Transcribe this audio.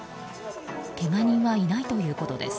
けが人はいないということです。